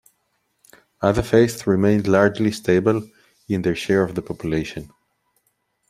Other faiths remained largely stable in their share of the population.